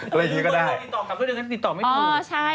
อะไรอย่างนี้ก็ได้